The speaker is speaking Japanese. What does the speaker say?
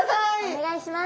お願いします！